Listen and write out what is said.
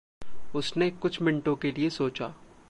उसने कुछ मिनटों के लिए सोचा।